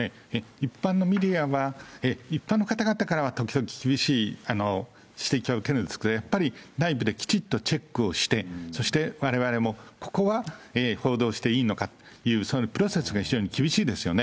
一般のメディアは、一般の方々からは時々厳しい指摘は受けるんですけど、これ、やっぱり内部できちっとチェックをしてそしてわれわれもここは報道していいのかっていうプロセスが非常に厳しいですよね。